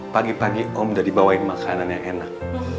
pagi pagi om udah dibawain makanan yang enak